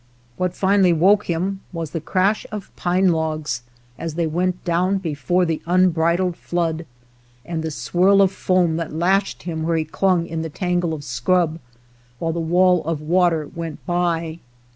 What finally woke him was the crash of pine logs as they went down 71 THE POCKET HUNTER before the unbridled flood, and the swirl of foam that lashed him where he clung in the tangle of scrub while the wall of water went by.